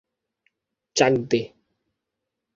চাক দে!